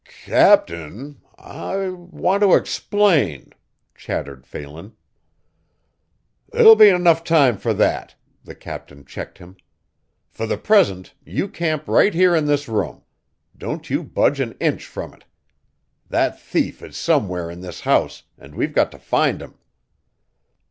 "C c c captain, I I I w w want to explain" chattered Phelan. "There'll be time enough for that," the captain checked him. "For the present you camp right here in this room. Don't you budge an inch from it. That thief is somewhere in this house and we've got to find him."